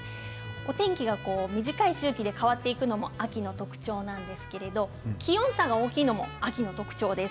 お天気が短い周期で変わっていくのも秋の特徴なんですけれども気温差が大きいのも秋の特徴です。